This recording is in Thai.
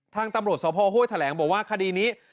ทางตำรวจสภห้วยแถลงบอกว่าคดีนี้